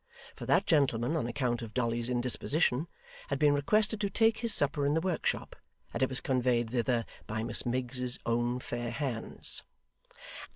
For that gentleman, on account of Dolly's indisposition, had been requested to take his supper in the workshop, and it was conveyed thither by Miss Miggs's own fair hands.